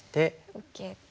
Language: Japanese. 受けて。